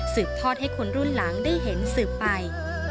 ทอดให้คนรุ่นหลังได้เห็นสืบไป